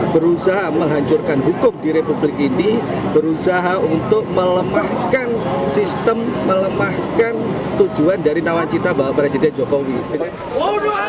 berusaha menghancurkan hukum di republik ini berusaha untuk melemahkan sistem melemahkan tujuan dari nawacita bapak presiden jokowi